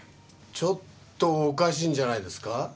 ちょっとおかしいんじゃないですか？